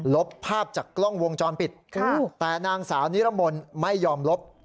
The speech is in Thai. ลบภาพจากกล้องวงจรปิดแต่นางสาวนิรมนต์ไม่ยอมลบ